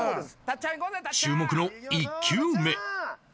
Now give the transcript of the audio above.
注目の１球目